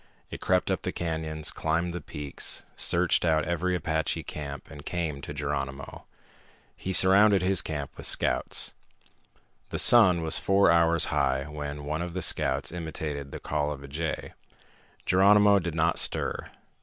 It crept up the canyons, climbed the peaks, searched out every Apache camp, and came to Geronimo. He surrounded his camp with scouts. The sun was four hours high when one of the scouts imitated the call of a jay. Geronimo did not stir.